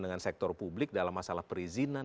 dengan sektor publik dalam masalah perizinan